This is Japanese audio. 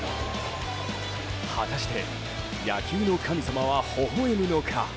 果たして、野球の神様はほほ笑むのか。